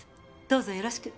どうぞよろしく。